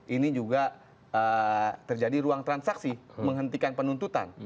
ini juga terjadi ruang transaksi menghentikan penuntutan